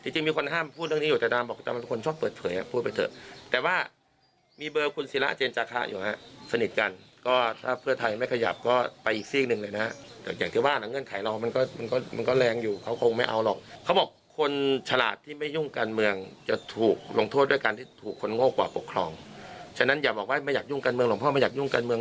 ฉะนั้นอย่าบอกว่าไม่อยากยุ่งกันเมืองหรอกเพราะว่าไม่อยากยุ่งกันเมือง